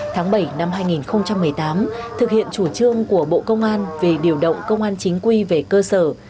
tháng bảy năm hai nghìn một mươi tám thực hiện chủ trương của bộ công an về điều động công an chính quy về cơ sở